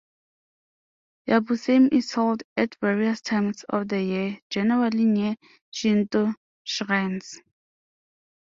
Yabusame is held at various times of the year, generally near Shinto shrines.